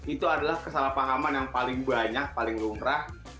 itu adalah kesalahpahaman yang paling banyak paling lungkrah